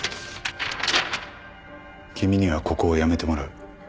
君にはここを辞めてもらう。